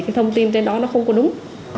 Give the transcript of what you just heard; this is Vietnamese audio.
cái thông tin trên đó nó không có đúng